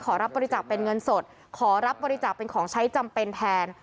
รับบริจาคเป็นเงินสดขอรับบริจาคเป็นของใช้จำเป็นแทน